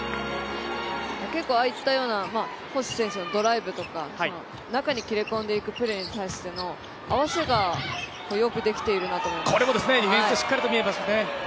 結構ああいったような星選手のドライブとか中に切れ込んでいくプレーに対しての合わせがよくできているなと思います。